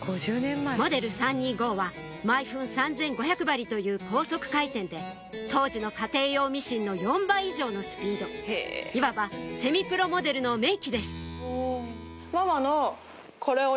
モデル３２５は毎分３５００針という高速回転で当時の家庭用ミシンの４倍以上のスピードいわばセミプロモデルの名機です